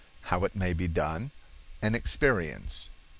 —How It may Be Done.—An Experience.